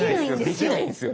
できないんですよ。